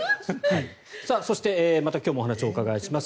そしてまた今日もお話をお伺いします。